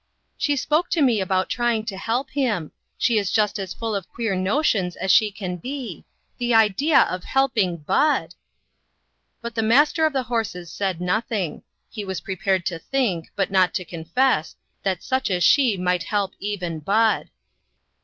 "She spoke to me about trying to help him. She is just as full of queer notions as she can be. The idea of helping Bud !" But the master of the horses said noth~ ing. He was prepared to think, but not to confess, that such as she might help even Bud.